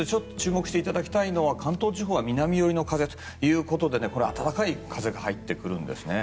注目していただきたいのが関東地方は南寄りの風ということで暖かい風が入ってくるんです。